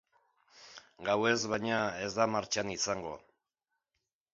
Gauez, baina, ez da martxan izango.